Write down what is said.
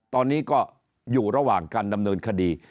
ตอนนี้ก็อยู่ระหว่างการดำเนินคดี